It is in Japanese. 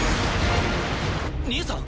兄さん？